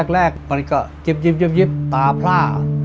แรกมันก็ยิบตาพร่า